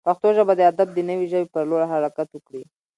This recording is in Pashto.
پښتو ژبه د ادب د نوې ژبې پر لور حرکت وکړي.